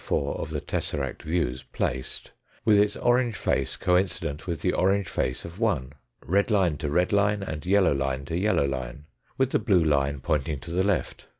4 of the tesseract views placed, with its orange face coincident with the orange face of 1 , red line to red line, and yellow line to yellow line, with the blue line pointing to the left.